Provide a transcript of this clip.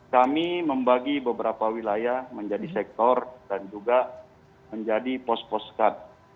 kami membagi beberapa wilayah menjadi sektor dan juga menjadi pos poskat